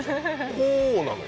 こうなのよ